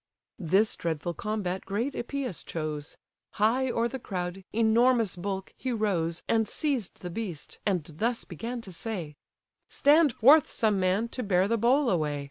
This dreadful combat great Epeüs chose; High o'er the crowd, enormous bulk! he rose, And seized the beast, and thus began to say: "Stand forth some man, to bear the bowl away!